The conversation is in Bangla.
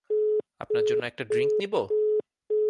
আপনার জন্য একটা ড্রিংক নিবো?